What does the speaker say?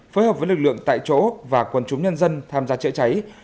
phối hợp với lực lượng tại chỗ và quần chúng nhân dân tham gia chữa cháy